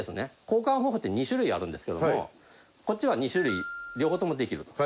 交換方法って２種類あるんですけどもこっちは２種類両方ともできると。